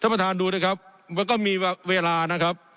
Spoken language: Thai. ท่านประธานดูด้วยครับมันก็มีเวลานะครับ